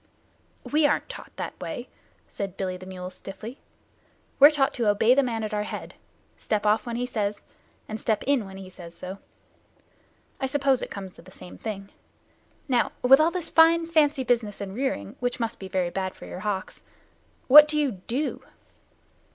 "We aren't taught that way," said Billy the mule stiffly. "We're taught to obey the man at our head: step off when he says so, and step in when he says so. I suppose it comes to the same thing. Now, with all this fine fancy business and rearing, which must be very bad for your hocks, what do you do?"